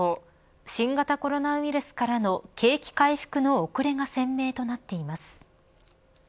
新型コロナウイルスからの景気回復の遅れが鮮明となっています。